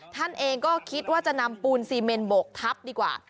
ท่านเองก็คิดว่าจะนำปูนซีเมนโบกทับดีกว่า